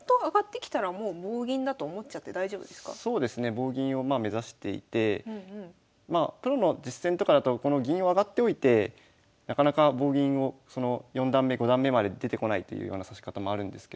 棒銀をまあ目指していてまあプロの実戦とかだとこの銀を上がっておいてなかなか棒銀を四段目五段目まで出てこないというような指し方もあるんですけど。